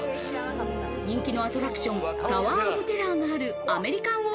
人気のアトラクションタワー・オブ・テラーがあるアメリカンウォ